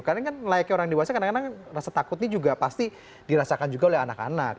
karena kan layaknya orang diwasa kadang kadang rasa takutnya juga pasti dirasakan juga oleh anak anak